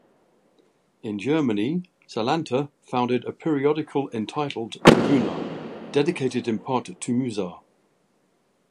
In Germany, Salanter founded a periodical entitled "Tevunah," dedicated in part to Musar.